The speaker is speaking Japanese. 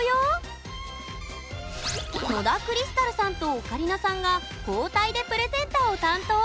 野田クリスタルさんとオカリナさんが交代でプレゼンターを担当。